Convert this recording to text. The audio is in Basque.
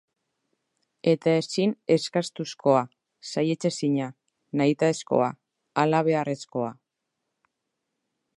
Eta ezin eskastuzkoa, saihetsezina, nahitaezkoa, halabeharrezkoa.